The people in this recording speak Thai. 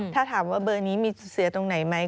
ถ้าถามว่าเบอร์นี้มีเสียตรงไหนไหม